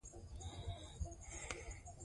ازادي راډیو د د مخابراتو پرمختګ کیسې وړاندې کړي.